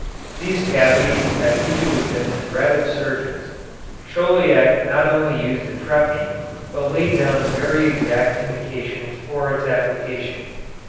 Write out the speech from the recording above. These cavities have usually been the dread of surgeons. Chauliac not only used the trephine, but laid down very exact indications for its application.